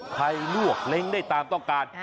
ลวกเล้งได้ตามต้องการ